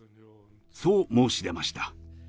そう申し出ました。